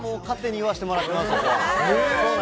勝手に言わせてもらってます。